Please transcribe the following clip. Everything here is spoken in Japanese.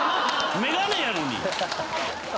⁉眼鏡やのに！